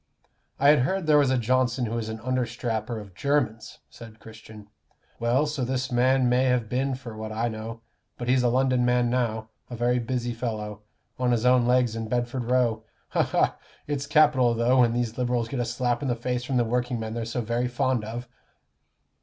"I had heard there was a Johnson who was an understrapper of Jermyn's," said Christian. "Well, so this man may have been for what I know. But he's a London man now a very busy fellow on his own legs in Bedford Row. Ha, ha! it's capital, though, when these Liberals get a slap in the face from the workingmen they're so very fond of."